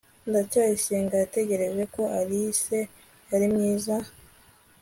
ndacyayisenga yatekereje ko alice yari mwiza cy